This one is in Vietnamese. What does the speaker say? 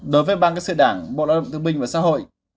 đối với ban các sự đảng bộ đạo động tư minh và xã hội